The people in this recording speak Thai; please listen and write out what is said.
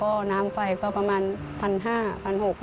ก็น้ำไฟก็ประมาณ๑๕๐๐๖๐๐บาท